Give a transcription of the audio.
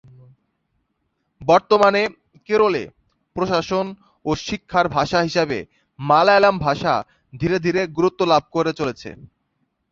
বর্তমানে কেরলে প্রশাসন ও শিক্ষার ভাষা হিসেবে মালয়ালম ভাষা ধীরে ধীরে গুরুত্ব লাভ করে চলেছে।